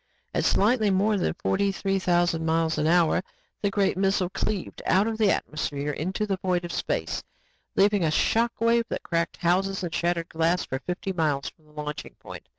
At slightly more than forty three thousand miles an hour, the great missile cleaved out of atmosphere into the void of space, leaving a shock wave that cracked houses and shattered glass for fifty miles from launching point.